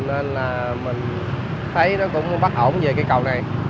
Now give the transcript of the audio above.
nên là mình thấy nó cũng bất ổn về cây cầu này